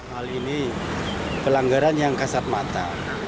hal ini pelanggaran yang kasat mata